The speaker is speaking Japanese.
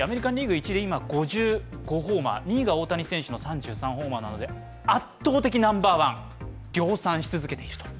５５ホーマー、２位が大谷選手の３３ホーマーなので圧倒的ナンバーワン、量産し続けている。